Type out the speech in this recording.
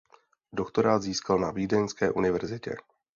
Doktorát získal na Vídeňské univerzitě.